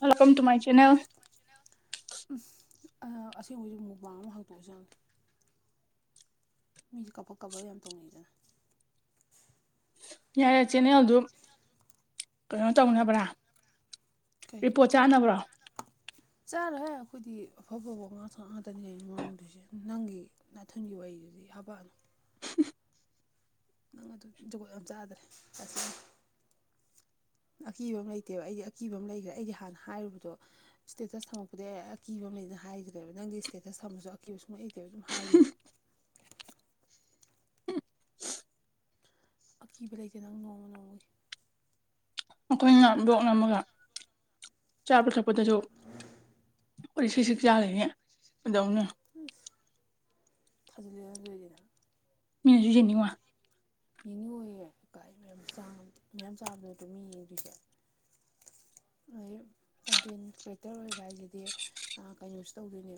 welcome to my ꯍꯥꯏꯁ [inaudible] channel ꯎ ꯑꯁꯤꯁꯦꯡ ꯍꯧꯣꯏꯁꯨꯛ ꯃꯨꯛꯕꯥꯡ ꯑꯃ ꯍꯥꯡꯇꯣꯛꯑ ꯆꯪꯦ [inaudible] ꯃꯤꯁꯦ ꯀꯥꯄꯛ ꯀꯥꯄꯛ ꯌꯥꯝ ꯇꯣꯡꯅꯩꯗꯅ ꯌꯥꯔꯦ ꯆꯦꯟꯅꯜꯗꯨ ꯀꯩꯅꯣ ꯇꯧꯅꯕ꯭ꯔꯥ ꯔꯤꯄꯣꯠ ꯆꯥꯅꯕ꯭ꯔꯣ ꯆꯥꯔꯣꯏ ꯍꯦ ꯑꯩꯈꯣꯏꯗꯤ ꯑꯐ ꯑꯕ ꯉꯥꯛꯊ ꯉꯥꯛꯇꯅꯦ ꯃꯃꯥꯡꯗꯣꯏꯁꯦ ꯅꯪꯒꯤ ꯅꯥꯊꯨꯟꯒꯤ ꯋꯥꯔꯤꯗꯨ ꯍꯥꯕꯅ [inaudible] ꯅꯪ ꯑꯗꯨ ꯖꯒꯣꯏ ꯌꯥꯝ ꯆꯥꯗ꯭ꯔꯦ ꯇ ꯑꯀꯤꯕ ꯑꯃ ꯂꯩꯇꯦꯕ ꯑꯩꯗꯤ ꯑꯀꯤꯕ ꯑꯃ ꯂꯩꯈ꯭ꯔꯦ ꯑꯩꯗꯤ ꯍꯥꯟꯅ ꯍꯥꯏꯔꯤꯗꯣ ꯏꯁꯇꯦꯇꯁ ꯊꯝꯃꯛꯄꯗꯤ ꯑꯩ ꯑꯀꯤꯕ ꯂꯩꯅ ꯍꯥꯏꯗ꯭ꯔꯦꯕ ꯅꯪꯒꯤ ꯏꯁꯇꯦꯇꯁ ꯊꯝꯕꯁꯨ ꯑꯀꯤꯕ ꯁꯨꯡꯂꯩꯇꯦꯕ ꯑꯗꯨꯝ ꯍꯥꯏꯔꯤꯕ ꯑꯀꯤꯕ ꯂꯩꯇꯦ ꯅꯪ ꯅꯣꯡꯃ ꯅꯣꯡꯃꯒꯤ ꯑꯩꯈꯣꯏꯅ [inaudible] ꯕꯣꯛ ꯅꯝꯃꯒ ꯆꯥꯕ ꯊꯛꯄꯗꯁꯨ ꯄ [inaudible] ꯁ ꯁꯛ ꯆꯥꯜꯂꯤꯅꯦ ꯀꯩꯗꯧꯅꯤ ꯊꯖꯂꯤꯌꯥꯌꯥ ꯂꯩꯔꯤꯅ [inaudible] ꯃꯤꯅꯁꯨ ꯌꯦꯡꯅꯤꯡꯉꯣꯢ ꯌꯦꯡꯅꯤꯡꯉꯣꯏꯌꯦ ꯃꯌꯥꯝ ꯃꯌꯥꯝ ꯆꯥꯕꯗ ꯑꯗꯨꯝ ꯃꯤ ꯌꯦꯡꯗꯣꯏꯁꯦ ꯀꯟꯇꯦꯟ ꯀ꯭ꯌꯦꯇꯔ ꯑꯣꯏꯕ ꯍꯥꯏꯁꯤꯗꯤ ꯀꯩꯅꯣꯁꯨ ꯇꯧꯗꯣꯏꯅꯦ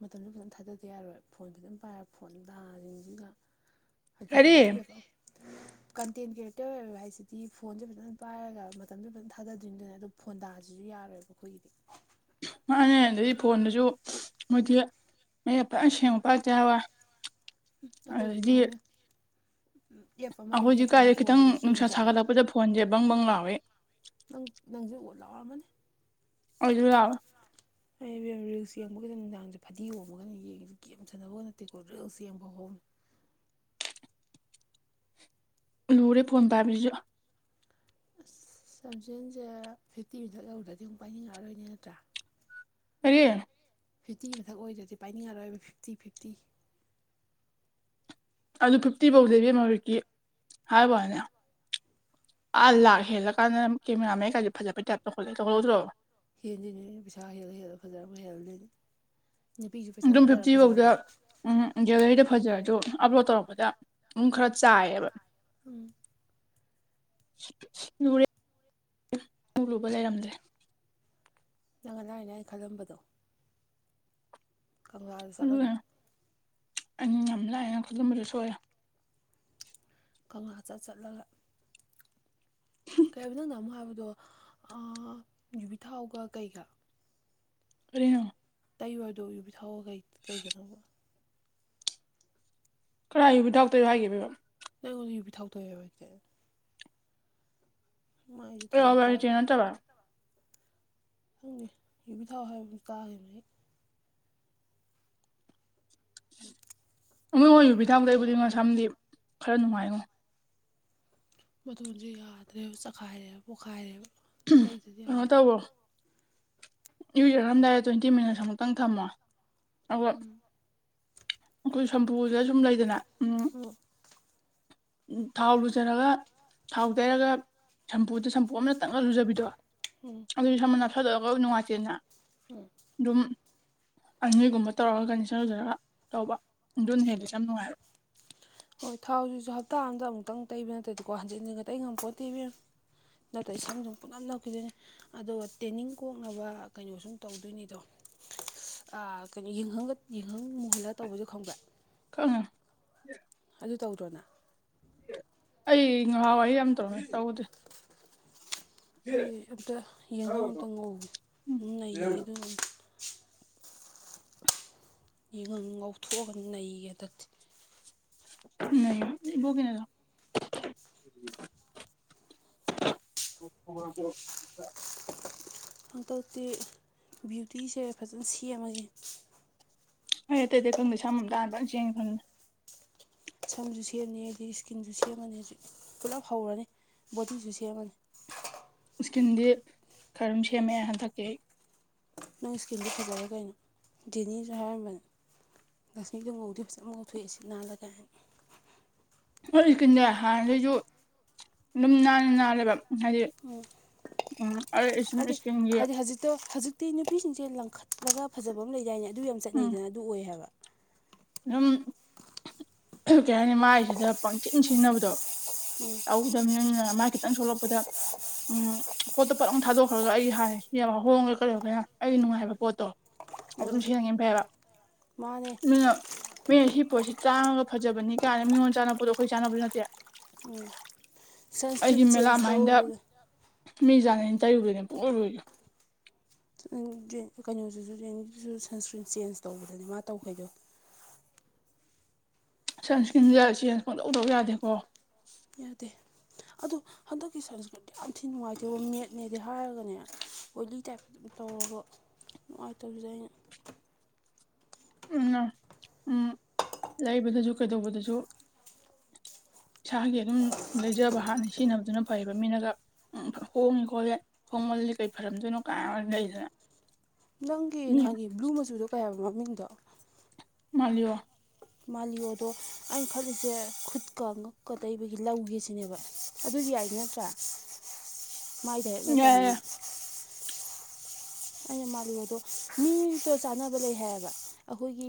ꯃꯇꯝꯁꯨ ꯐꯖꯅ ꯊꯥꯗꯗ ꯌꯥꯔꯣꯏ ꯐꯣꯟ ꯐꯖꯅ ꯄꯥꯏꯔꯦ ꯐꯣꯟ [inaudible] ꯇꯥꯁꯤꯡꯁꯤꯒ [unintelligible] ꯑꯗꯨꯖꯤꯕꯨ ꯋꯥꯑꯦꯑꯦ [inaudible] ꯀꯟꯇꯦꯟ ꯀ꯭ꯔꯤꯌꯦꯇꯔ ꯑꯣꯏꯔꯣ ꯍꯥꯏꯁꯤꯗꯤ ꯐꯣꯟꯁꯦ ꯐꯖꯅ ꯄꯥꯏꯔꯒ ꯃꯇꯝꯁꯦ ꯐꯖꯅ ꯊꯥꯗꯣꯏꯔꯤꯗꯨꯅꯦ ꯑꯗꯨ ꯐꯣꯟꯗꯥꯁꯤꯁꯨ ꯌꯥꯔꯣꯏꯕ ꯑꯩꯈꯣꯏꯒꯤꯗꯤ ꯃꯥꯥꯅꯦ ꯑꯗꯩ ꯐꯣꯟꯗꯨꯁꯨ ꯃꯣꯏꯗꯤ ꯃ ꯐꯖꯅ ꯃꯌꯦꯛ ꯁꯦꯡꯕ ꯄꯥꯢꯔꯛꯇ ꯌꯥꯔꯣꯢ ꯑꯩꯈꯣꯏꯒꯤꯗꯤ ꯌꯥꯡꯉꯨꯅꯦ ꯑꯦꯞ ꯑꯃꯗꯤ ꯑꯩꯈꯣꯏꯁꯦ ꯑꯦꯞ ꯑꯃ ꯀꯥꯏꯗ ꯈꯤꯇꯪ ꯆꯣꯡꯉꯗꯤ ꯍꯦꯡ ꯅꯨꯡꯁꯥ ꯆꯠꯂꯦ ꯁꯥꯒꯠꯂꯛꯄꯗ ꯐꯣꯟꯁꯦ ꯕꯪꯕꯪ ꯂꯥꯎꯉꯩ ꯅꯪ ꯅꯪꯁꯨ ꯑꯣꯠ ꯂꯥꯎꯔꯝꯃꯅꯤ ꯑꯩꯁꯨ ꯂꯥꯎꯋꯤ ꯑꯩ ꯔꯤꯜꯁ ꯌꯦꯡꯕꯒꯤꯗ ꯅꯨꯡꯗꯥꯡꯁꯦ ꯐꯗꯤ ꯍꯣꯕꯒꯅ ꯌꯦꯡꯉꯦ ꯒꯦꯝ ꯁꯥꯟꯅꯕꯒ ꯅꯠꯇꯦꯀꯣ ꯔꯤꯜꯁ ꯌꯦꯡ ꯐꯥꯎ ꯂꯨꯔꯦ ꯐꯣꯟ ꯄꯥꯏꯕꯁꯤꯁꯨ ꯑꯁ ꯆꯝꯖꯦꯜꯁꯦ ꯐꯤꯐꯇꯤ ꯃꯤꯗꯠ ꯌꯧꯗ꯭ꯔꯗꯤ ꯑꯃꯨꯛ ꯄꯥꯏꯅꯤꯡꯉꯛꯑꯔꯣꯏꯅꯦ ꯅꯠꯇ꯭ꯔꯥ ꯀꯔꯤ ꯐꯤꯐꯇꯤ ꯃꯊꯛ ꯑꯣꯏꯗ꯭ꯔꯗꯤ ꯄꯥꯏꯅꯤꯡꯉꯔꯣꯏꯕ ꯐꯤꯐꯇꯤ ꯐꯤꯐꯇꯤ ꯑꯗꯨ ꯐꯤꯐꯇꯤ ꯐꯥꯎꯁꯦ ꯢꯕꯦꯝꯃ ꯍꯤꯢꯕꯩ ꯋꯥꯅꯤ ꯑꯥ ꯂꯥ ꯍꯦꯜꯂ ꯀꯥꯟꯗ ꯀꯦꯃꯦꯔꯥ ꯃꯌꯦꯛꯁꯦ ꯐꯖ ꯐꯩ ꯇꯥꯞ ꯇꯧꯈꯜꯂꯦ ꯇꯧꯈꯠꯗ꯭ꯔꯣ ꯍꯦꯟꯁꯤꯅꯤꯅꯦ ꯄꯩꯁꯥ ꯍꯦꯜꯂꯒ ꯍꯦꯜꯂꯒ ꯐꯖꯔꯕ ꯍꯦꯜꯂꯗꯣꯏꯅꯤ ꯅꯨꯄꯤꯁꯨ ꯄꯩꯁꯥ ꯑꯗꯨꯝ ꯊꯥꯊꯔ ꯐꯤꯐꯇꯤ ꯐꯧꯗ ꯐꯖꯔꯛꯄꯗꯣ ꯎꯝ ꯒꯦꯂꯔꯤꯗ ꯐꯖꯔꯁꯨ ꯑꯞꯂꯣꯗ ꯇꯧꯔꯛꯄꯗ ꯑꯗꯨꯝ ꯈꯔꯥ ꯆꯥꯏꯌꯦꯕ ꯎꯝ ꯂꯨꯔꯦ ꯂꯨꯕ ꯂꯩꯔꯝꯗ꯭ꯔꯦ ꯅꯪꯅ ꯂꯥꯏꯅ ꯂꯥꯏꯅ ꯈꯜꯂꯝꯕꯗꯣ ꯀꯪꯂꯥꯗ ꯑꯗꯨꯅꯤ ꯆꯠꯂꯒ ꯑꯩꯅ ꯌꯥꯝ ꯂꯥꯏ ꯂꯥꯏꯅ ꯈꯜꯂꯝꯕꯗꯣ ꯁꯣꯏꯔꯦ ꯀꯪꯂꯥ ꯆꯠ ꯆꯠꯂꯒ ꯀꯩꯕ ꯅꯪꯅ ꯑꯃꯨꯛ ꯍꯥꯏꯕꯗꯣ ꯑꯥ ꯌꯨꯕꯤ ꯊꯥꯎꯒ ꯀꯩꯒ ꯀꯔꯤꯅꯣ ꯇꯩꯌꯣ ꯍꯥꯏꯗꯣ ꯌꯨꯕꯤ ꯊꯥꯎꯒ ꯀꯩ ꯀꯩꯒꯅꯣ ꯀꯥꯏ ꯌꯨꯕꯤ ꯊꯥꯛꯇ ꯍꯥꯏꯒꯦꯕꯣ ꯅꯪ ꯑꯩꯉꯣꯟꯗ ꯌꯨꯕꯤ ꯊꯥꯎ ꯇꯩꯌꯣ ꯍꯥꯏꯒꯤꯗꯥꯏ ꯃꯥꯏꯁꯦ ꯊꯥꯎꯔꯦꯛ ꯣꯕꯔ ꯍꯥꯏꯇ ꯀꯥꯔꯒ ꯅꯠꯇꯕ [unintelligible] ꯈꯪꯗꯦ ꯌꯨꯕꯤ ꯊꯥꯎ ꯍꯥꯏꯕꯒꯨꯝ ꯇꯥꯒꯤꯕꯅꯦ ꯑꯩ ꯅꯣꯏ ꯌꯨꯕꯤ ꯊꯥꯎ ꯇꯩꯕꯗꯤ ꯃꯁꯥꯝꯗꯤ ꯈꯔꯥ ꯅꯨꯡꯉꯥꯏꯉꯣ ꯃꯇꯣꯟꯁꯨ ꯌꯥꯗ꯭ꯔꯦꯕ ꯆꯈꯥꯏꯔꯦꯕ ꯄꯣꯛꯈꯥꯏꯔꯦꯕ ꯑꯇꯩꯗꯨꯗꯤ ꯀꯩꯅꯣ ꯌꯥꯔꯦ ꯇꯧꯋꯣ ꯏꯔꯨꯖꯔꯝꯗꯥꯏꯗ ꯇ꯭ꯋꯦꯟꯇꯤ ꯃꯤꯅꯠꯁ ꯑꯃꯨꯛꯇꯪ ꯊꯝꯃꯣ ꯑꯗꯨꯒ ꯎꯝ ꯑꯩꯈꯣꯏ ꯁꯝꯄꯨꯁꯤꯗ ꯁꯨꯝ ꯂꯩꯗꯅ ꯎꯝ ꯍꯣ ꯊꯥꯎ ꯂꯨꯖꯔꯒ ꯊꯥꯎ ꯇꯩꯔꯒ ꯁꯝꯄꯨꯗ ꯁꯝꯄꯨ ꯄꯣꯝꯅ ꯇꯪꯅ ꯂꯨꯖꯕꯤꯗꯣ ꯎꯝ ꯑꯗꯨꯗꯤ ꯁꯝ ꯅꯞꯁꯤꯜꯂꯒ ꯅꯨꯡꯉꯥꯏꯇꯦꯅ ꯎꯝ [unintelligible] ꯑꯗꯨꯝ ꯑꯅꯤꯒꯨꯝꯕ ꯇꯧꯔꯒ ꯀꯟꯗꯤꯁꯅꯔ ꯂꯨꯖꯔꯒ ꯇꯧꯕ ꯑꯗꯨꯅ ꯍꯦꯜꯂꯦ ꯁꯝ ꯅꯨꯡꯉꯥꯏꯕ ꯑꯣ ꯊꯥꯎꯁꯤꯁꯨ ꯍꯞꯇꯥ ꯑꯃꯥꯗ ꯑꯃꯨꯛꯇꯪ ꯇꯩꯕ ꯅꯠꯇꯗꯤꯀꯣ ꯍꯟꯖꯤꯟ ꯍꯟꯖꯤꯟ ꯇꯩꯕ ꯉꯝꯄꯣꯠꯇꯦ ꯏꯕꯦꯝꯃ ꯅꯠꯇ꯭ꯔꯗꯤ ꯁꯝꯖꯨ ꯄꯨꯅꯞ ꯅꯞꯈꯤꯗꯣꯏꯅꯦ ꯑꯗꯣ ꯇꯦꯅꯤꯡ ꯀꯣꯛꯅꯕ ꯀꯩꯅꯣ ꯁꯨꯝ ꯇꯧꯗꯣꯏꯅꯤꯗꯣ ꯑꯥ ꯀꯥꯔꯤ ꯌꯦꯡꯒꯡ ꯌꯦꯡꯒꯡ ꯃꯨꯍꯜꯂꯒ ꯇꯧꯕꯗꯣ ꯈꯪꯕ꯭ꯔꯥ ꯑ [unintelligible] ꯑꯗꯨ ꯇꯧꯗ꯭ꯔꯣ ꯅꯪ ꯑꯩ ꯉꯍꯥꯟꯋꯥꯏꯗꯤ ꯌꯥꯝ ꯇꯧꯔꯝꯃꯦ ꯇꯧꯗꯦ ꯑꯩ ꯑꯝꯇ ꯌꯦꯡꯒꯪ ꯑꯝꯇ ꯉꯧꯒꯦ ꯎꯝ ꯅꯩꯒꯦ ꯑꯗꯨꯒ ꯌꯦꯡꯒꯡ ꯉꯥꯎꯊꯣꯛꯑꯒ ꯅꯩꯒꯦ ꯍꯟꯗꯛꯇꯤ ꯅꯕꯨꯣ ꯀꯅꯦꯗ [unintelligible] [unintelligible] ꯍꯟꯗꯛꯇꯤ ꯕ꯭ꯨꯎꯤꯇꯤꯁꯦ ꯐꯖꯅ ꯁꯦꯝꯃꯒꯦ ꯍꯣꯏ ꯑꯇꯩꯪꯪ ꯑꯇꯩꯗꯤ ꯈꯪꯗꯦ ꯁꯝ ꯑꯝꯇ ꯍꯥꯟꯅ ꯂꯣꯏ ꯁꯦꯝꯒꯦ ꯈꯜꯕꯅꯦ ꯁꯝꯁꯨ ꯁꯦꯝꯅꯤ ꯑꯩꯗꯤ ꯁꯀꯤꯟꯁꯨ ꯁꯦꯝꯒꯅꯤ ꯍꯧꯖꯤꯛ ꯄꯨꯂꯞ ꯍꯧꯔꯅꯤ ꯕꯣꯗꯤꯁꯨ ꯁꯦꯝꯒꯅꯤ ꯁꯀꯤꯟꯗꯤ ꯈꯔꯝ ꯁꯦꯝꯕ ꯌꯥꯏ ꯍꯟꯗꯛꯇꯤ ꯑꯩ ꯅꯪ ꯁꯀꯤꯟꯗꯤ ꯐꯖꯔꯦ ꯀꯩꯅꯣ ꯗꯤꯅꯤꯁꯨ ꯍꯥꯏꯔꯝꯕꯅꯦ ꯂꯛꯁꯃꯤꯗꯣ ꯉꯧꯗꯤ ꯐꯖꯅ ꯉꯧꯊꯣꯛꯑꯦ ꯁꯤꯠ ꯅꯥꯜꯂꯒ ꯃꯥꯏ ꯁꯀꯤꯟꯖꯦ ꯍꯥꯟꯅꯗꯩꯩꯁꯨ ꯑꯗꯨꯝ ꯅꯥꯟꯗꯤ ꯅꯥꯜꯂꯦꯕ ꯍꯥꯏꯗꯤ ꯎꯝ ꯎꯝ ꯑꯩ ꯁꯨꯝ ꯍꯥꯏꯗꯤ ꯏꯁꯀꯤꯟꯒꯤ ꯍꯥꯏꯗꯤ ꯍꯧꯖꯤꯛꯇꯣ ꯍꯧꯖꯤꯛ ꯍꯧꯖꯤꯛꯇꯤ ꯅꯨꯄꯤꯁꯤꯡꯁꯦ ꯂꯪꯈꯠꯂꯒ ꯐꯖꯕ ꯑꯃ ꯂꯩꯗꯥꯏꯅꯦ ꯑꯗꯨ ꯌꯥꯝ ꯎꯝ ꯆꯠꯅꯩꯗꯅ ꯑꯗꯨ ꯑꯣꯏ ꯍꯥꯏꯕ ꯑꯗꯨꯝ ꯀꯩ ꯍꯥꯏꯅꯤ ꯃꯥꯏꯁꯤꯗ ꯄꯪꯁꯤꯟ ꯁꯤꯖꯤꯟꯅꯕꯗꯣ ꯎꯝ ꯇꯧꯗꯃꯤꯅꯅꯦ ꯃꯥꯏ ꯈꯤꯇꯪ ꯁꯣꯛꯂꯛꯄꯗ ꯎꯝ ꯄꯣꯠꯇꯣ ꯄꯠ ꯂꯥꯎꯅ ꯊꯥꯗꯣꯛꯈ꯭ꯔꯒ ꯑꯩ ꯍꯥꯏꯔꯦ ꯁꯤ ꯍꯣꯡꯉꯒ ꯀꯔꯤꯧ [unintelligible] ꯀꯩꯅꯣ ꯑꯩꯅ ꯅꯨꯡꯉꯥꯏꯕ ꯍꯥꯏꯕꯥ ꯄꯣꯠꯇꯣ ꯑꯗꯨꯝ ꯎꯝ ꯁꯤꯖꯤꯟꯅꯒꯤꯕꯅ ꯐꯩꯌꯦꯕ ꯃꯥꯅꯦ ꯑꯗꯨꯅ ꯃꯤꯅ ꯁꯤ ꯄꯣꯠꯁꯤ ꯇꯥꯡꯉꯒ ꯐꯖꯕꯅꯤ ꯀꯥꯏꯅ ꯃꯤꯉꯣꯟ ꯆꯥꯅꯕ ꯄꯣꯠꯇꯣ ꯑꯩꯈꯣꯏ ꯆꯥꯅꯕꯁꯨ ꯅꯠꯇꯦ ꯎꯝ ꯑꯩꯗꯤ ꯃꯦꯂꯥꯃꯥꯏꯟꯗ ꯃꯤ ꯖꯥꯅꯤꯅꯤ ꯇꯩꯔꯨꯕꯅꯦ ꯄꯨꯡꯂꯣꯏ ꯂꯣꯏꯔꯤ ꯀꯩꯅꯣꯁꯤꯁꯨ ꯔꯦꯡꯗꯨꯁꯨ ꯁꯟꯁ꯭ꯀ꯭ꯔꯤꯟ ꯆꯦꯟꯖ ꯇꯧꯕꯗꯗꯤ ꯃꯥ ꯇꯧꯈꯩꯗꯣ ꯁꯟꯁ꯭ꯀ꯭ꯔꯤꯟꯁꯒ ꯆꯦꯟꯖ ꯀꯧꯗꯧꯗꯧ ꯌꯥꯗꯦꯀꯣ ꯌꯥꯗꯦ ꯑꯗꯣ ꯍꯟꯗꯛꯀꯤ ꯁꯟꯁꯀ꯭ꯔꯤꯠꯇꯤ ꯌꯥꯝ ꯊꯤꯅ ꯅꯨꯡꯉꯥꯏꯇꯕ ꯃꯦꯠꯅꯦꯗꯤ ꯍꯥꯏꯔꯒꯅꯦ ꯑꯣꯏꯂꯤ ꯇꯥꯏꯞ ꯑꯗꯨꯝ ꯇꯧꯧꯕ ꯅꯨꯡꯉꯥꯏꯇꯕꯁꯦ ꯑꯩꯅ ꯎ ꯎꯝ ꯂꯩꯕꯗꯁꯨ ꯀꯩꯗꯧꯕꯗꯁꯨ ꯏꯁꯥꯒꯤ ꯑꯗꯨꯝ ꯂꯩꯖꯕ ꯍꯥꯟꯅ ꯁꯤꯖꯤꯟꯅꯕꯗꯨꯅ ꯐꯩꯕ ꯃꯤꯅꯒ ꯎꯝ ꯍꯣꯡꯉꯤ ꯈꯣꯠꯂꯦ ꯍꯣꯡꯃꯗꯤ ꯀꯩ ꯐꯔꯝꯗꯣꯏꯅꯣ ꯀꯥꯏ ꯂꯩꯗꯅ ꯅꯪꯒꯤ ꯃꯤ ꯅꯍꯥꯟꯒꯤ ꯕ꯭ꯂꯨ ꯃꯆꯨꯗꯣ ꯀꯌꯥꯣ ꯃꯃꯤꯡꯗꯣ ꯃꯥꯕꯤꯣ ꯃꯥꯜꯂꯤꯌꯣꯗꯣ ꯑ ꯈꯜꯂꯤꯁꯦ ꯈꯨꯠꯀ ꯉꯛꯀ ꯇꯩꯕꯒꯤ ꯂꯧꯒꯦꯁꯤꯅꯦꯕ ꯑꯗꯨꯗꯤ ꯌꯥꯏꯗꯤ ꯅꯠꯇ꯭ꯔꯥ ꯃꯥꯏꯗ ꯍꯦꯛ ꯅꯠꯇꯕꯅꯤꯅ ꯌꯥꯏ ꯑꯩꯅ ꯃꯥꯜꯂꯤ ꯑꯗꯣ ꯃꯤ ꯑꯇ ꯆꯥꯟꯅꯕ ꯂꯩ ꯍꯥꯏꯌꯦꯕ ꯑꯩꯈꯣꯏꯒꯤ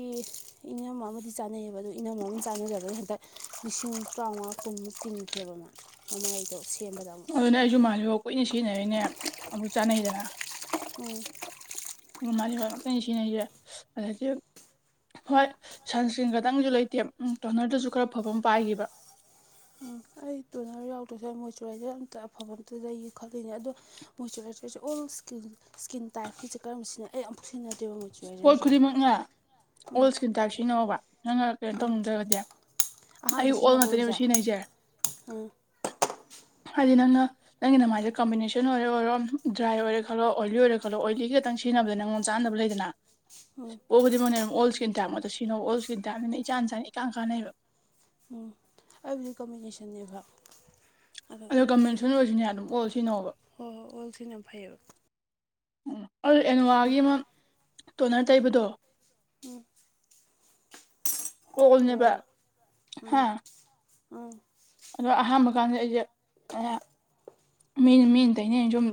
ꯏꯅꯝ ꯑꯃꯗꯤ ꯆꯥꯅꯩꯌꯦꯕ ꯑꯣ ꯏꯅꯝ ꯑꯃ ꯆꯥꯟꯅꯖꯒꯅ ꯍꯟꯗꯛ ꯂꯤꯁꯤꯡ ꯇꯔꯥꯃꯉꯥ ꯀꯨꯟꯃꯨꯛ ꯇꯤꯟꯈꯤꯈꯤꯕꯕ ꯃꯥ ꯃꯃ ꯑꯩꯗꯣ ꯁꯦꯝꯕꯗ ꯑꯃꯨꯛ ꯑꯗꯨꯅ ꯑꯩꯁꯨ ꯃꯥꯜꯜꯂꯤꯕꯣ ꯀꯨꯏꯅ ꯁꯤꯖꯤꯟꯅꯔꯤꯅꯦ ꯑꯃꯨꯛ ꯆꯥꯅꯩꯗꯅ ꯎꯝ ꯃꯥꯔꯤ ꯋꯥꯔ ꯀꯩ ꯁꯤꯅ ꯑ ꯍꯣꯏ ꯁꯟꯁ꯭ꯀ꯭ꯔꯤꯟ ꯈꯛꯇꯪꯁꯨ ꯂꯩꯇꯦ ꯇꯣꯅꯔꯗꯨꯁꯨ ꯈꯔ ꯐꯕ ꯑꯃ ꯄꯥꯏꯈꯤꯕ꯭ꯔ ꯎꯝ ꯐ ꯑꯩ ꯇꯨꯅꯔ ꯌꯥꯎꯗ꯭ꯔꯁꯨ ꯑꯩ ꯃꯣꯏꯆꯨꯔꯥꯏꯖꯔ ꯑꯝꯇ ꯑꯐꯕ ꯑꯝꯇ ꯂꯩꯌꯦ ꯈꯂꯤꯅꯦ ꯑꯗꯣ ꯃꯣꯏꯆꯔꯥꯏꯖꯔꯁꯦ ꯑꯣꯜ ꯏꯁꯀꯤꯟ ꯇꯥꯏꯞꯀꯤꯁꯦ ꯀꯔꯝ ꯁꯤꯅ ꯑꯩ ꯌꯥꯝ ꯊꯨꯏꯅꯗꯦꯕ ꯍꯧꯁꯨ ꯍꯥꯏꯔꯦ ꯍꯧꯔꯦ ꯎꯝ ꯇꯎꯁꯤꯅꯣꯕ ꯅꯪꯉ ꯀꯩꯅꯣ ꯇꯧꯅꯤꯡꯗ꯭ꯔꯒꯗꯤ ꯑꯍꯥꯟꯕ ꯑꯩꯌꯨꯛ ꯑꯣꯜ ꯁꯤꯖꯤꯟꯅꯕ ꯉꯥꯛꯇꯅꯦꯕ ꯑꯣꯏꯕꯁꯦ ꯁꯤꯅ ꯑꯩꯁꯦ ꯎꯝ ꯍꯥꯏꯗꯤ ꯅꯪ ꯅꯪꯒꯤ ꯅꯥꯏꯁꯦ ꯀꯝꯕꯤꯅꯦꯁꯟ ꯑꯣꯏꯔ ꯑꯣꯏꯔꯣ ꯗ꯭ꯔꯥꯏ ꯑꯣꯏꯔꯦ ꯈꯜꯂꯣ ꯑꯣꯏꯂꯤ ꯑꯣꯏꯔꯦ ꯈꯜꯂꯣ ꯑꯣꯏꯂꯤ ꯛꯇꯇꯪ ꯆ ꯊꯤꯅꯕꯗ ꯅꯪꯉꯣꯝ ꯆꯥꯗꯅꯕ ꯂꯩꯗꯅ ꯑꯣ ꯑꯣꯕꯨꯗꯤ ꯃꯣꯏꯅ ꯑꯗꯨꯝ ꯑꯣꯜ ꯏꯁꯀꯀꯤꯟ ꯇꯥꯏꯞꯇꯛꯇ ꯁꯤꯅꯣ ꯑꯣꯜ ꯏꯁ꯭ꯀꯤꯟꯥꯏꯞꯅꯤꯅ ꯏꯆꯥ ꯏꯟꯆꯥꯅ ꯏꯀꯥꯟ ꯀꯥꯟꯅꯩꯕ ꯍꯥꯏꯕꯨꯗꯤ ꯀꯣꯝꯕꯤꯅꯦꯁꯟꯅꯦꯕ ꯑꯗꯣ ꯀꯃꯦꯟꯁꯟ ꯑꯣꯏꯔꯁꯨꯅꯦ ꯑꯗꯨꯝ ꯀꯜ ꯁꯤꯅꯣꯕ ꯍꯣꯏ ꯍꯣꯏ ꯑꯣꯜ ꯊꯅ ꯐꯩꯌꯦꯕ ꯎ ꯑꯗꯨ ꯑꯗꯣ ꯑꯦꯅꯣꯋꯥꯒꯤ ꯑꯃ ꯇꯣꯅꯔ ꯇꯩꯕꯗꯣ ꯌꯦ ꯑꯣꯜꯅꯦꯕ ꯀꯩꯗꯧꯔꯕ ꯍꯥ ꯎꯝ ꯎꯝ ꯑꯗꯣ ꯑꯍꯥꯟꯕ ꯀꯥꯟꯗ ꯑꯩꯁꯦ ꯃꯤꯅ ꯃꯤꯅ ꯇꯩꯅꯅꯦꯅ ꯁꯨꯝ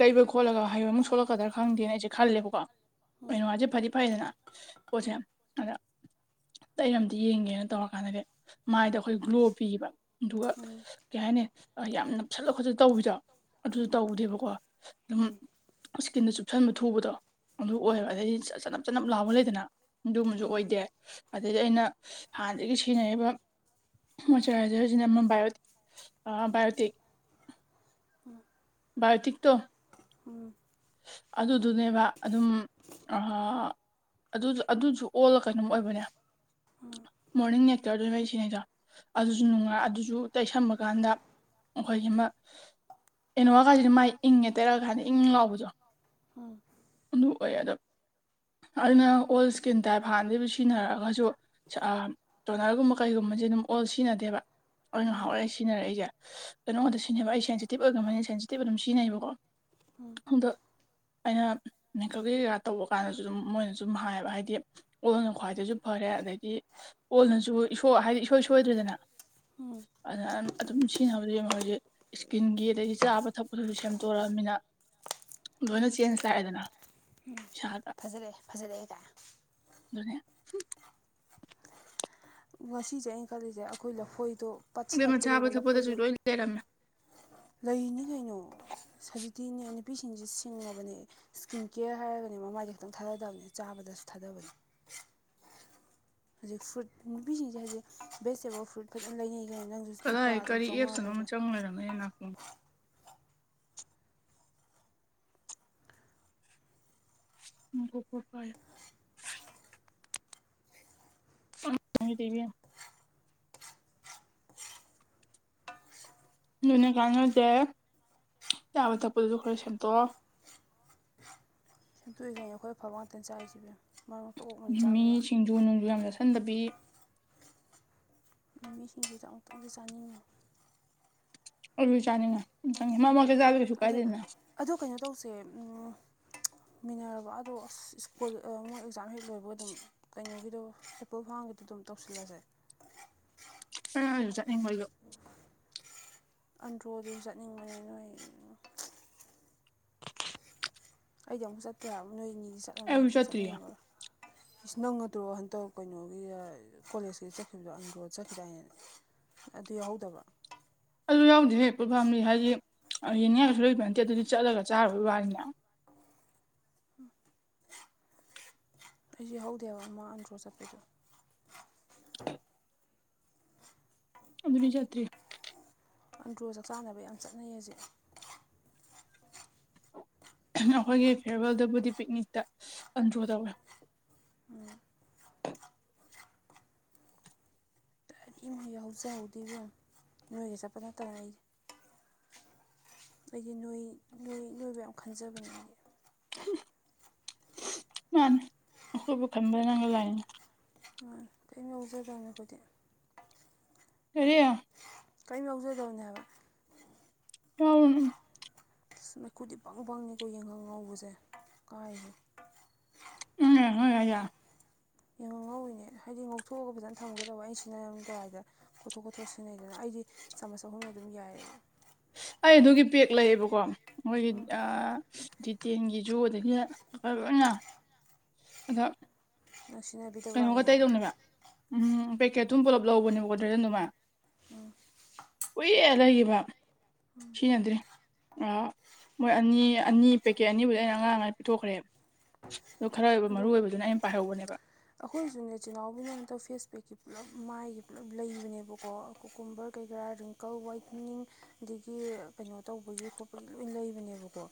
ꯇꯩꯕ ꯈꯣꯠꯂꯒ ꯍꯩꯕ ꯑꯃꯨꯛ ꯁꯣꯛꯂꯛꯀꯗ꯭ꯔꯥ ꯈꯪꯗꯦꯅ ꯑꯩꯁꯦ ꯈꯜꯂꯦꯕꯀꯣ ꯀꯩꯅꯣ ꯋꯥꯁꯦ ꯐꯗꯤ ꯐꯩꯗꯅ ꯄꯣꯠꯁꯦ ꯑꯗ ꯇꯩꯔꯝꯗ ꯌꯦꯡꯒꯦꯅ ꯇꯧꯔꯀꯥꯟꯗꯗꯤ ꯃꯥꯏꯗ ꯑꯩꯈꯣꯏ ꯒ꯭ꯂꯣ ꯄꯤꯕ ꯑꯗꯨꯒ ꯎꯝ ꯀꯩ ꯍꯥꯏꯅꯤ ꯌꯥꯝ ꯅꯞꯁꯜꯂ ꯈꯣꯠꯂ ꯇꯧꯋꯤꯗ ꯑꯗꯨꯁꯨ ꯇꯧꯗꯦꯕꯀꯣ ꯑꯗꯨꯝ ꯎꯝ ꯏꯁꯀꯤꯟꯗ ꯆꯨꯞꯁꯟꯕ ꯊꯨꯕꯗꯣ ꯑꯗꯨ ꯑꯣꯏ ꯎꯝ ꯑꯗꯩꯗꯤ ꯆꯅꯞ ꯆꯅꯞ ꯂꯥꯎꯕ ꯂꯩꯗꯅ ꯑꯗꯨꯝꯕꯁꯨ ꯑꯣꯏꯗꯦ ꯑꯗꯗꯒꯤ ꯑꯩꯅ ꯍꯥꯟꯅꯗꯒꯤ ꯁꯤꯖꯤꯟꯅꯔꯤꯕ ꯃꯣꯏꯆꯔꯥꯏꯖꯔꯁꯤꯅ ꯑꯃ ꯕꯥꯏꯑꯣ ꯕꯥꯏꯑꯣꯇꯤꯛ ꯕꯥꯏꯣꯇꯤꯛꯇꯣ ꯑꯗꯨꯗꯨꯅꯦꯕ ꯑꯗꯨꯝ ꯑꯗꯨ ꯑꯗꯨꯁꯨ ꯑꯣꯜꯂ ꯀꯩꯅꯣꯝ ꯑꯣꯏꯕꯅꯦ ꯃꯣꯔꯅꯤꯡ ꯅꯦꯦꯛꯀꯗꯣꯏꯕꯩ ꯁꯤꯅꯦꯗꯣ ꯑꯗꯨꯁꯨ ꯅꯨꯡꯉꯥꯏ ꯑꯗꯨꯁꯨ ꯇ ꯁꯝꯕ ꯀꯥꯟꯗ ꯑꯩꯈꯣꯏꯒꯤ ꯃꯥ ꯑꯦꯅꯣꯋꯥ ꯀꯥꯏꯁꯤꯗꯤ ꯃꯥꯏ ꯏꯪꯉꯦ ꯇꯩꯔꯛꯑ ꯀꯥꯟꯗ ꯏꯪ ꯂꯥꯎꯕꯗꯣ ꯍꯥ ꯑꯗꯨ ꯑꯣꯏ ꯑꯗꯣ ꯑꯗꯨꯅ ꯑꯣꯜ ꯏꯁꯀꯤꯟ ꯇꯥꯏꯞ ꯍꯥꯟꯅꯗꯒꯤꯩ ꯁꯤꯖꯤꯟꯅꯔꯛꯑꯒꯁꯨ ꯇꯣꯅꯔꯒꯨꯝꯕ ꯀꯩꯒꯨꯝꯕꯁꯦ ꯑꯗꯨꯝ ꯑꯣꯜ ꯁꯤꯖꯤꯟꯅꯗꯦꯕ ꯑꯣꯏꯅ ꯍꯧꯥꯎꯔꯛꯏꯁꯦ ꯁꯤꯖꯤꯟꯅꯔꯦ ꯑꯩꯁꯦ ꯀꯩꯅꯣꯝꯗ ꯁꯤꯖꯤꯟꯅꯕ ꯑꯩ ꯁꯦꯟꯁꯤꯇꯤꯞ ꯑꯣꯏꯈ꯭ꯔꯕꯅꯤꯅ ꯁꯦꯟꯁꯤꯇꯤꯞ ꯑꯗꯨꯝ ꯁꯤꯖꯤꯟꯅꯩꯕꯀꯣ ꯎꯝ ꯑꯗꯣ ꯑꯩꯅ ꯃꯦꯀꯞ ꯀꯩ ꯀꯩꯀꯥ ꯇꯧꯕ ꯀꯥꯟꯗꯁꯨ ꯑꯗꯨꯝ ꯃꯣꯏꯅꯁꯨ ꯁꯨꯝ ꯍꯥꯏꯌꯦꯕ ꯍꯥꯏꯗꯤ ꯑꯣꯜꯅ ꯈ꯭ꯋꯥꯏꯁꯨ ꯐꯔꯦ ꯑꯗꯩꯗꯤ ꯑꯣꯜꯅꯁꯨ ꯍꯥꯏꯗꯤ ꯏꯁꯣꯏ ꯁꯣꯏꯗ꯭ꯔꯔꯤꯗꯅ ꯎꯝ ꯑꯗꯨꯅ ꯑꯗꯨꯝ ꯁꯤꯖꯤꯟꯅꯕꯗꯤ ꯍꯧꯖꯤꯛ ꯏꯁꯀꯤꯟꯒꯤ ꯑꯗꯒꯤ ꯆꯥꯕ ꯊꯛꯄꯗꯨꯁꯨ ꯁꯦꯝꯗꯣꯔꯛꯑꯃꯤꯅ ꯂꯣꯏꯅ ꯆꯦꯟꯖ ꯂꯥꯛꯑꯦꯗꯅ ꯎꯝ ꯏꯁꯥꯗ ꯐꯖꯔꯦꯑꯦ ꯐꯖꯔꯦꯑꯦ ꯀꯥꯏ [unintelligible] ꯉꯁꯤꯁꯦ ꯑꯩꯅ ꯈꯜꯂꯤꯁꯦ ꯑꯩꯈꯣꯏ ꯂꯐꯣꯏꯗꯣ ꯄꯥꯁꯤꯜꯂꯛꯇꯣꯔꯦꯕ ꯂꯐꯣꯏꯗꯣ ꯇꯦꯔꯝ ꯂꯩꯅꯤ ꯀꯩꯅꯣ ꯁꯖꯤꯇꯤꯅꯦ ꯅꯨꯄꯤꯁꯤꯡꯁꯦ ꯁꯤꯡꯉꯕꯅꯦ ꯏꯁꯀꯤꯟ ꯀꯦꯌꯔ ꯍꯥꯏꯔꯒꯅꯦ ꯃꯃꯥꯏꯁꯦ ꯈꯤꯛꯇꯪ ꯊꯥꯗꯗꯕꯅꯤ ꯆꯥꯕꯗꯁꯨ ꯊꯥꯗꯕꯅꯤ ꯍꯧꯖꯤꯛ ꯐ꯭ꯔꯨꯏꯠ ꯅꯨꯄꯤꯁꯤꯡꯁꯦ ꯍꯧꯖꯤꯛ ꯕꯦꯁꯇꯦꯕ ꯐ꯭ꯔꯨꯏꯠ ꯈꯖꯅ ꯂꯩꯅꯩ ꯀꯅ ꯅꯪꯁꯨ ꯂꯨꯄꯥ ꯀꯗꯥꯏ ꯑꯗꯨꯝ ꯀꯔꯤ ꯆꯥꯝꯃꯉꯥ ꯑꯦꯞꯁꯅꯣ ꯑꯃ ꯀꯩꯀꯥ ꯆꯪ ꯂꯩꯔꯝꯃꯦꯦ ꯅꯥꯈꯣꯡ ꯎꯀꯣꯀꯣ ꯀ ꯆ ꯇꯕꯤ ꯂꯣꯏꯅ ꯀꯥꯟ ꯍꯧꯁꯦ ꯆꯥꯕ ꯊꯛꯄꯗꯨꯁꯨ ꯈꯔ ꯁ ꯁꯦꯝꯇꯣꯛꯑꯣ ꯁꯦꯝꯇꯣꯛꯏ ꯌꯥꯅꯤ ꯑꯩꯈꯣꯏ ꯑꯐꯕ ꯉꯥꯛꯇ ꯆꯥꯁꯤꯕꯤꯌꯨ ꯃꯤꯁꯤꯡꯁꯨ ꯅꯣꯡꯖꯨ ꯌꯥꯝ ꯆꯥꯁꯤꯟꯗꯕꯤ ꯅꯨꯃꯤꯁꯤꯡꯒꯤꯤꯟꯗꯤꯗ ꯑꯃꯨꯛꯇꯪꯒꯤ ꯆꯥꯅꯤꯡꯉ ꯑꯣ ꯆꯥꯅꯤꯡꯉ ꯆꯪ ꯃꯔꯛ ꯃꯔꯛ ꯇ ꯖꯥꯕꯁꯨ ꯀꯩꯁꯨ ꯑꯗꯣ ꯀꯥꯏꯗꯦꯅ ꯑꯗꯣ ꯀꯩꯅꯣ ꯇꯧꯁꯦ ꯃꯤꯟꯅꯔꯕ ꯑꯗꯣ ꯑꯁ ꯁ꯭ꯀꯨꯜ ꯃꯣꯏ ꯑꯦꯛꯖꯥꯝ ꯍꯦꯛ ꯂꯣꯏꯕ ꯑꯗꯨꯝ ꯀꯩꯅꯣꯒꯤꯗꯣ ꯑꯦꯄꯣꯜ ꯐꯥꯝꯒꯤꯗꯣ ꯑꯗꯨꯝ ꯇꯧꯁꯤꯜꯂꯁꯦ ꯍꯗ ꯅꯤꯡꯒ ꯑꯟꯗ꯭ꯔꯣꯗ ꯆꯠꯅꯤꯡꯕꯅꯦ ꯅꯣꯏ ꯑꯩꯗꯤ ꯑꯃꯨꯛ ꯆꯠꯇꯀꯦ ꯍꯥꯏꯕ ꯅꯣꯏꯅꯤꯗꯤ ꯆꯠꯂꯅꯤ ꯑꯩꯁꯨ ꯆꯠꯇ꯭ꯔꯤꯌꯦ ꯆꯠꯅꯤꯡꯉꯝꯃꯔꯣꯏ ꯏꯁ ꯅꯪꯉꯗ꯭ꯔꯣ ꯍꯟꯇꯧ ꯀꯩꯅꯣꯒꯤ ꯀꯣꯂꯦꯖꯀꯤ ꯆꯠꯈꯤꯕꯗꯣ ꯑꯟꯗ꯭ꯔꯣ ꯆꯠꯈꯤꯕꯗ ꯍꯥꯏꯅꯦ ꯑꯗꯨ ꯌꯥꯎꯍꯧꯗꯕ꯭ꯔꯥ ꯑꯗꯨ ꯌꯥꯎꯗꯦ ꯍꯦꯛꯄꯠ ꯐꯥꯝꯗꯤ ꯍꯥꯏꯗꯤ ꯌꯦꯅꯤꯡꯉꯥꯏꯁꯨ ꯂꯩꯕ ꯅꯠꯇꯦ ꯑꯗꯨꯗꯤ ꯆꯠꯂꯒ ꯆꯥꯔꯔꯕꯣꯏ ꯋꯥꯅꯤꯅꯦ ꯑꯩꯁ ꯍꯧꯗꯦꯕ ꯑꯃ ꯑꯟꯗ꯭ꯔꯣ ꯆꯠꯄꯗꯣ ꯑꯗꯨꯅꯤ ꯌꯥꯇ꯭ꯔꯤ ꯑꯟꯗ꯭ꯔꯣ ꯆꯥꯛ ꯆꯥꯅꯕ ꯌꯥꯝ ꯆꯠꯅꯩꯌꯦꯁꯦ ꯑꯩꯈꯣꯏꯒꯤ ꯐꯤꯌꯔꯋꯦꯜꯗꯕꯨꯗꯤ ꯄꯤꯛꯅꯤꯛꯇ ꯑꯟꯗ꯭ꯔꯣ ꯇꯧꯋꯦ ꯑꯩ ꯌꯥꯎꯍꯧꯖꯍꯧꯗꯕ ꯅꯣꯏꯒ ꯆꯠꯄꯗ ꯇꯔ ꯑꯩꯗꯤ ꯑꯩꯗꯤ ꯅꯣꯏ ꯅꯣꯏ ꯅꯣꯏꯕ ꯌꯥꯝ ꯈꯟꯖꯕꯅꯦ ꯑꯩꯗꯤ ꯃꯥꯅꯦ ꯑꯩꯈꯣꯏꯕꯨ ꯈꯟꯕ ꯅꯪꯒ ꯂꯥꯏꯅꯤ ꯇꯩ ꯃꯨꯒꯖꯝꯕꯗꯤ ꯑꯦꯔꯤꯌꯥ ꯀꯔꯤꯝ ꯌꯥꯎꯖꯗꯕꯅꯦ ꯍꯥꯏꯕ ꯎꯝ ꯑ ꯃꯩꯈꯨꯗꯤ ꯄꯪ ꯄꯪꯅꯤꯀꯣ ꯌꯦꯟꯉꯧ ꯉꯧꯕꯁꯦ ꯀꯥꯏꯔꯦ ꯍ ꯍꯣꯏ ꯌꯥ ꯡꯉ ꯉꯧꯤꯅꯦ ꯍꯥꯏꯗꯤ ꯉꯧꯊꯣꯛꯑꯒ ꯐꯖꯅ ꯊꯝꯒꯦꯗꯧꯕ ꯑꯩꯁꯤꯅꯔꯝꯗꯥꯋꯥꯏꯗ ꯈꯣꯊꯣꯛ ꯈꯣꯊꯣꯛ ꯁꯤꯖꯤꯟꯅꯩꯗꯅ ꯑꯩꯗꯤ ꯆꯥꯃꯁ ꯑꯍꯨꯝ ꯑꯗꯨꯝ ꯌꯥꯏ ꯑꯩ ꯑꯗꯨꯒꯤ ꯄꯦꯛ ꯂꯩꯌꯦꯕꯀꯣ ꯃꯣꯏꯒꯤ ꯎꯝ ꯖꯤꯇꯦꯟꯒꯤꯁꯨ ꯑꯗꯒꯤ ꯂꯣꯏ ꯂꯣꯏꯅ ꯑꯗ ꯃꯁꯤꯅꯕꯤ ꯀꯩꯅꯣꯒ ꯇꯩꯗꯧꯅꯦꯕ ꯎꯝ ꯄꯦꯛꯀꯦꯠꯇꯨ ꯄꯨꯂꯞ ꯂꯧꯕꯅꯦꯕꯀꯣ ꯗ꯭ꯔꯖꯟꯗꯨꯃ ꯑꯦ ꯂꯩꯔꯤꯕ ꯁꯤꯖꯤꯟꯅꯗꯦ ꯥ ꯃꯣꯏ ꯑꯅꯤ ꯑꯅꯤ ꯄꯦꯀꯦꯠ ꯑꯅꯤꯕꯨꯗꯤ ꯑꯩꯅ ꯑꯉꯥꯡ ꯄꯤꯊꯣꯛꯈ꯭ꯔꯦꯕ ꯑꯗꯣ ꯈꯔ ꯑꯣꯏꯕ ꯃꯔꯨ ꯑꯗꯨ ꯑꯣꯏꯕꯗꯨꯅ ꯑꯩꯅ ꯄꯥꯏꯍꯧꯕꯅꯦꯕ ꯑꯩꯈꯣꯏꯁꯨꯅꯦ ꯆꯦ ꯅꯥꯎꯕꯒꯤ ꯍꯟꯇꯛ ꯐꯦꯁꯄꯦꯛꯀꯤ ꯄꯨꯜꯂꯞ ꯃꯥꯏꯒꯤ ꯄꯨꯂꯞ ꯂꯩꯕꯅꯦꯕꯀꯣ ꯀꯨꯀꯨꯝꯕꯔ ꯀꯩꯀꯥ ꯔꯤꯡ ꯀ ꯋꯥꯏꯇꯅꯤꯡ ꯑꯗꯒꯤ ꯀꯩꯅꯣ ꯇꯧꯕꯒꯤ ꯈꯣꯠꯄꯒꯤ ꯂꯣꯏ ꯂꯩꯕꯅꯦꯕꯀꯣ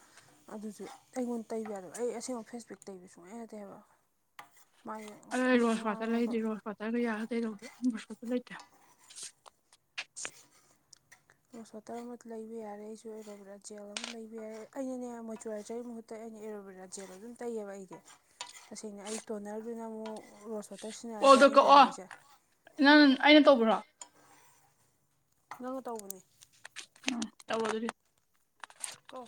ꯑꯗꯨꯁꯨ ꯑꯩꯉꯣꯟꯗ ꯇꯩꯕ ꯌꯥꯗꯕ ꯑꯩ ꯑꯁꯦꯡꯕ ꯐꯦꯁꯕꯦꯛ ꯇꯩꯕ ꯁꯨꯡꯌꯥ ꯌꯥꯗꯦ ꯍꯥꯏꯕ ꯃꯥꯥꯏ ꯑꯩ ꯔꯣꯁ ꯋꯥꯇꯔ ꯂꯩꯗꯔꯤ ꯔꯣꯁ ꯋꯥꯇꯔꯒ ꯌꯥꯜꯂꯒ ꯇꯩꯗꯧꯗ ꯔꯣꯁ ꯋꯥꯇꯔ ꯂꯩꯇꯦ ꯔꯣꯁ ꯋꯥꯇꯔ ꯑꯃ ꯂꯩꯕ ꯌꯥꯔꯦ ꯑꯩꯁꯨ ꯑꯣꯏꯔꯕ꯭ꯔꯥ ꯖꯦꯜ ꯑꯃ ꯂꯩꯕ ꯌꯥꯔꯦ ꯑꯩꯅꯅꯦ ꯃꯣꯏꯆꯨꯔꯥꯏꯖꯔꯒꯤ ꯃꯍꯨꯠ ꯇ ꯑꯩꯅ ꯑꯦꯔꯣꯕꯦꯔꯥ ꯖꯦꯜ ꯑꯗꯨꯝ ꯇꯩꯌꯦꯕ ꯑꯩꯗꯤ ꯇꯁꯦꯡꯅ ꯑꯩ ꯇꯣꯅꯔꯗꯨꯅ ꯑꯃꯨꯛ ꯔꯣꯁ ꯋꯥꯇꯔ ꯁꯤꯖꯤꯟꯅꯔꯗ꯭ꯔꯥ ꯀꯣꯜꯗꯣ ꯑꯩꯅ ꯀꯛꯑꯣ ꯇꯧꯔꯝꯃꯤꯁꯦ ꯅꯪ ꯑꯩꯅ ꯇꯧꯕ꯭ꯔꯣ ꯅꯪꯅ ꯇꯧꯕꯅꯦ ꯇꯧꯔꯣꯗꯨꯗꯤ ꯀꯣ